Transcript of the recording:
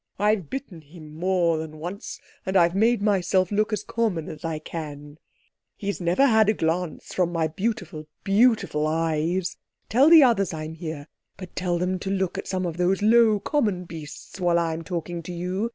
I've bitten him more than once, and I've made myself look as common as I can. He's never had a glance from my beautiful, beautiful eyes. Tell the others I'm here—but tell them to look at some of those low, common beasts while I'm talking to you.